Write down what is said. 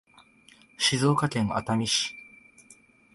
静岡県熱海市